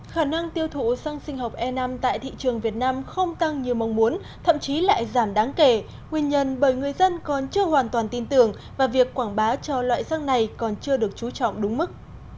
khả năng tiêu thụ xăng sinh học e năm tại thị trường việt nam không tăng như mong muốn thậm chí lại giảm đáng kể nguyên nhân bởi người dân còn chưa hoàn toàn tin tưởng và việc quảng bá cho loại xăng này còn chưa được chú trọng đúng mức